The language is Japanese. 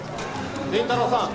麟太郎さん